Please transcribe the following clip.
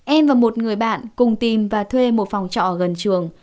em và một người bạn cùng tìm và thuê một phòng trọ gần trường